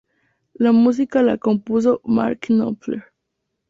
La música la compuso Mark Knopfler.